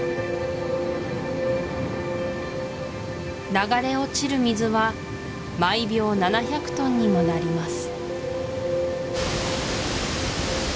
流れ落ちる水は毎秒７００トンにもなります